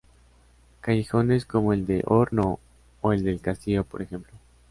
Callejones como el del Horno o el del castillo, por ejemplo.